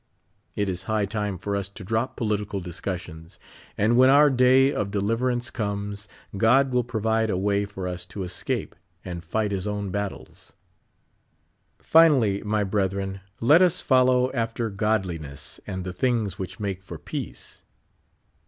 It is high time for us to drop political discussions ; and when our day of deliverance comes, God will provide a way for us to escape, and fight his own battles. Finally, my brethren, let us follow after godliness, and the things which make for peace.